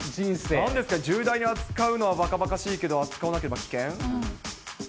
なんですか、重大に扱うのはばかばかしいけど扱わなければ危険？